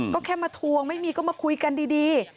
ก็แค่มาทวงไม่มีก็มาคุยกันดี